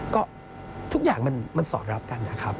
ก็ทุกอย่างมันสอดรับกันนะครับ